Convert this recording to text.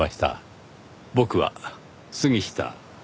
僕は杉下。